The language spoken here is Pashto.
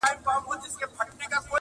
o شناخت به کوو، کور ته به نه سره ځو٫